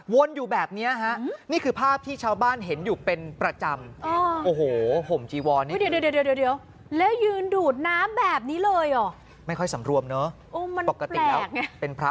อยู่แบบนี้ฮะนี่คือภาพที่ชาวบ้านเห็นอยู่เป็นประจำ